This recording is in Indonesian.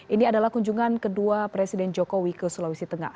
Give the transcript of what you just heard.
ini adalah kunjungan kedua presiden jokowi ke sulawesi tengah